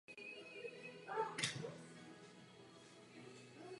Sídlo úřadů oblastní rady se nachází v obci Sapir.